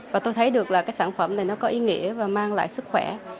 và tôi thấy được là cái sản phẩm này nó có ý nghĩa và mang lại sức khỏe